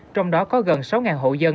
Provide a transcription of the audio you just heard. trong đó có gần sáu hộ dân